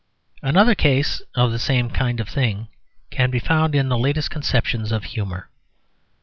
Another case of the same kind of thing can be found in the latest conceptions of humour.